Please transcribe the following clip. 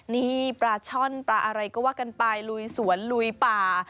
นี่ปลาช่อนปลาอะไรก็ว่ากันไปลุยสวนลุยป่า